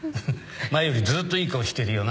前よりずっといい顔してるよ。